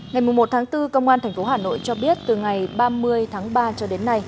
ngày một tháng bốn công an tp hà nội cho biết từ ngày ba mươi tháng ba cho đến nay